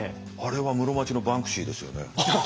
あれは室町のバンクシーですよね。